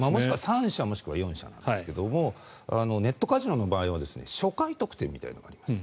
３社もしくは４社なんですがネットカジノの場合は初回特典みたいなものがあります。